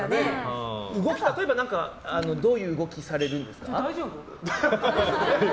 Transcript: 動き、例えばどういう動きされるんですか。